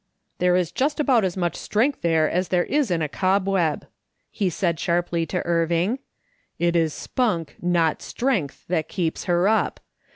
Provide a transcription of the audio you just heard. " There is just about as much strength there as there is in a cobweb !" he said sharply to Irving. " It is spunk, not strength, that keeps her up.